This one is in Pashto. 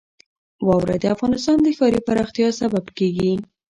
واوره د افغانستان د ښاري پراختیا سبب کېږي.